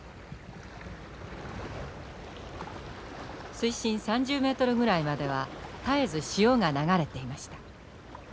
水深３０ｍぐらいまでは絶えず潮が流れていました。